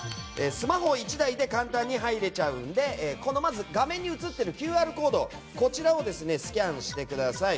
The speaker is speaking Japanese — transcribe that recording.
スマホ１台で簡単に入れちゃうのでまず画面に映っているＱＲコードをスキャンしてください。